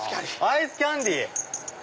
アイスキャンデー。